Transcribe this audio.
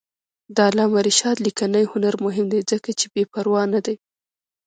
د علامه رشاد لیکنی هنر مهم دی ځکه چې بېپروا نه دی.